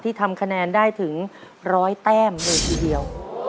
ทำคะแนนได้ถึง๑๐๐แต้มเลยทีเดียว